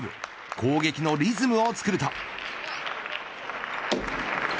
攻撃のリズムをつくると。